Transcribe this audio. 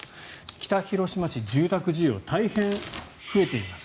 北広島市住宅需要、大変増えています。